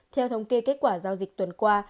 theo thống kê kết quả giao dịch tuần qua